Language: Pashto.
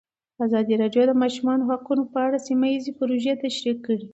ازادي راډیو د د ماشومانو حقونه په اړه سیمه ییزې پروژې تشریح کړې.